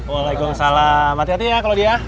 waalaikumsalam hati hati ya claudia